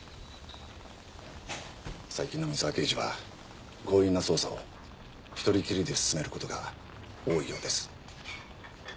最近の三沢刑事は強引な捜査を一人きりで進める事が多いようです。